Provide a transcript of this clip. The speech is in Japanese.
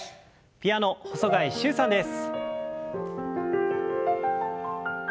ピアノ細貝柊さんです。